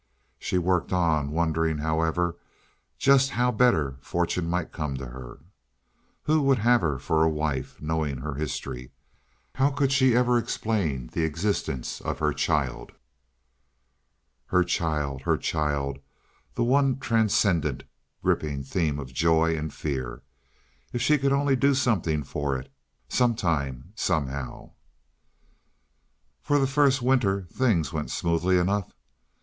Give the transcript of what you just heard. She worked on, wondering, however, just how better fortune might come to her. Who would have her to wife knowing her history? How could she ever explain the existence of her child? Her child, her child, the one transcendent, gripping theme of joy and fear. If she could only do something for it—sometime, somehow! For the first winter things went smoothly enough.